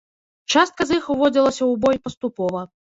Частка з іх уводзілася ў бой паступова.